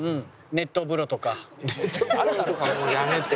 熱湯風呂とかもうやめて。